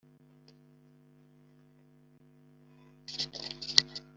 Ibiro n ibyumba by itora bigomba gushyirwa munyandiko